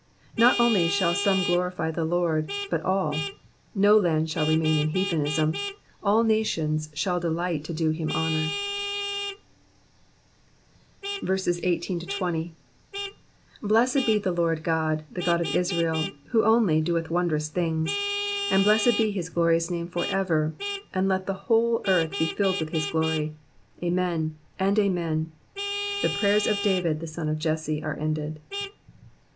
Not only shall some glorify the Lord, but all; no land shall remain in heathenism ; all nations shall delight to do him honour. i8 Blessed 6e the LORD God, the God of Israel, who only doeth wondrous things. 19 And blessed de his glorious name for ever : and let the whole earth be filled zt't//i his glory : Amen, and Amen. 20 The prayers of David the son of Jesse are ended.